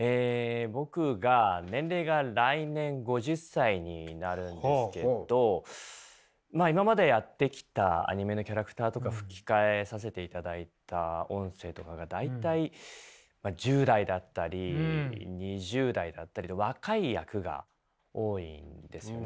僕が年齢が来年５０歳になるんですけど今までやってきたアニメのキャラクターとか吹き替えさせていただいた音声とかが大体１０代だったり２０代であったりと若い役が多いんですよね。